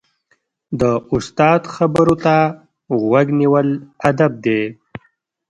د استاد خبرو ته غوږ نیول ادب دی.